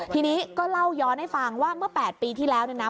ทีนี้ก็เล่าย้อนให้ฟังว่าเมื่อ๘ปีที่แล้วเนี่ยนะ